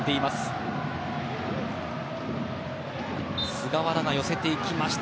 菅原が寄せていきました。